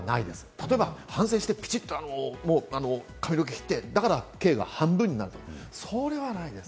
例えば反省してピチっと髪の毛切って、だから刑が半分になるとか、それはないです。